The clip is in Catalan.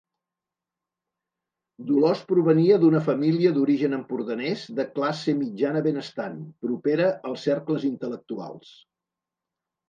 Dolors provenia d'una família d'origen empordanès de classe mitjana benestant, propera als cercles intel·lectuals.